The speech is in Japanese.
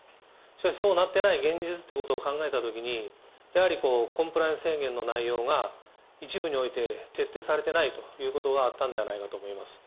しかしそうなっていない現実ということを考えたときに、やはりコンプライアンス宣言の内容が、一部において徹底されていないということがあったんではないかと思います。